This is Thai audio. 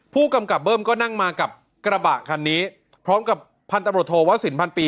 ผู้กำกับเบิ้มก็นั่งมากับกระบะคันนี้พร้อมกับพันตำรวจโทวสินพันปี